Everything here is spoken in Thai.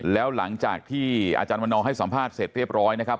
แล้วหลังจากที่อาจารย์วันนอให้สัมภาษณ์เสร็จเรียบร้อยนะครับ